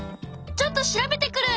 ちょっと調べてくる！